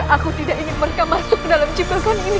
aku tidak ingin mereka masuk ke dalam ciplesan ini